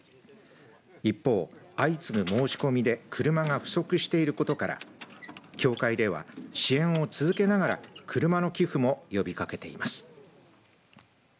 一方、相次ぐ申し込みで車が不足していることから協会では支援を続けながら車の寄付も呼びかけています。